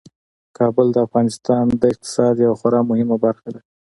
کابل د افغانستان د اقتصاد یوه خورا مهمه برخه ده.